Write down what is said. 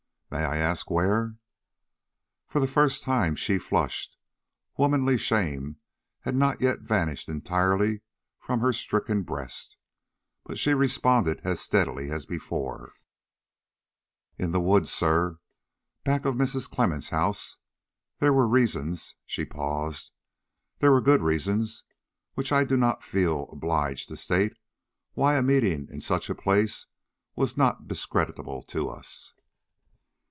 "May I ask where?" For the first time she flushed; womanly shame had not yet vanished entirely from her stricken breast; but she responded as steadily as before: "In the woods, sir, back of Mrs. Clemmens' house. There were reasons" she paused "there were good reasons, which I do not feel obliged to state, why a meeting in such a place was not discreditable to us."